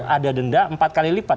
ada denda empat kali lipat